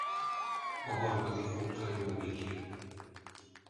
A harmadik út a jógiké.